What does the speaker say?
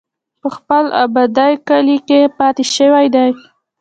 پۀ خپل ابائي کلي کښې پاتې شوے دے ۔